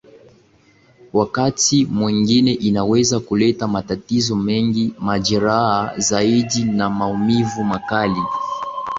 Wakati mwengine inaweza kuleta matatizo mengi majeraha zaidi na maumivu makali